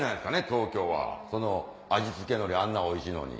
東京は味付け海苔あんなおいしいのに。